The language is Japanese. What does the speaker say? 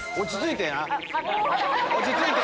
落ち着いてな。